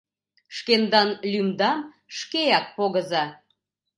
— Шкендан лӱмдам шкеак погыза.